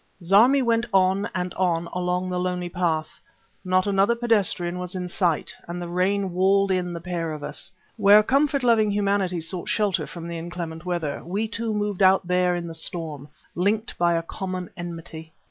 Zarmi went on and on along the lonely path. Not another pedestrian was in sight, and the rain walled in the pair of us. Where comfort loving humanity sought shelter from the inclement weather, we two moved out there in the storm, linked by a common enmity.